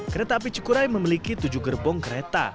kereta api cukurai memiliki tujuh gerbong kereta